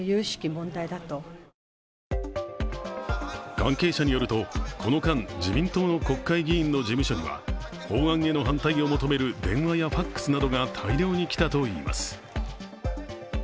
関係者によるとこの間、自民党の国会議員の事務所には法案への反対を求める電話やＦＡＸなどが大量にきたといいます。